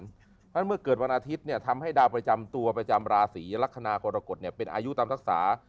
เพราะฉะนั้นเมื่อเกิดวันอาทิตย์ทำให้ดาวประจำตัวประจำราศีลักษณะกรกฎเป็นอายุตามทักษา